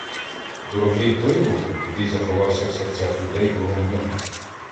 Дорогий той вогонь, який заховався в серцях людей кругом нього.